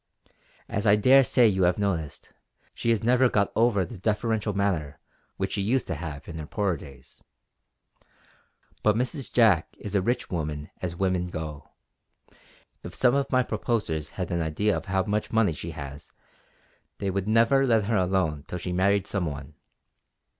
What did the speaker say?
As I dare say you have noticed, she has never got over the deferential manner which she used to have in her poorer days. But Mrs. Jack is a rich woman as women go; if some of my proposers had an idea of how much money she has they would never let her alone till she married some one.